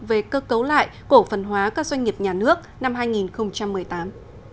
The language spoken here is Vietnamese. về cơ cấu lại cổ phần hóa các doanh nghiệp nhà nước năm hai nghìn một mươi tám